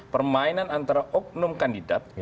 permainan antara oknum kandidat